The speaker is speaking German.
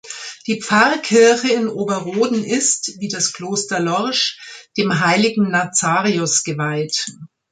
Die Pfarrkirche in Ober-Roden ist, wie das Kloster Lorsch, dem heiligen Nazarius geweiht.